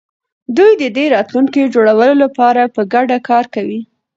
دوی د دې راتلونکي د جوړولو لپاره په ګډه کار کوي.